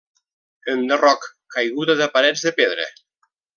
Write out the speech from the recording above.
Enderroc, caiguda de parets de pedra.